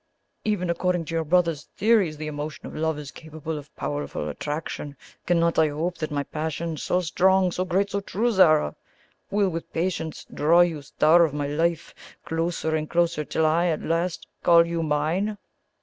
Even according to your brother's theories, the emotion of love is capable of powerful attraction. Cannot I hope that my passion so strong, so great, so true, Zara! will, with patience, draw you, star of my life, closer and closer, till I at last call you mine?"